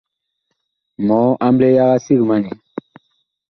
Mɔɔ amble yaga sig ma nɛ !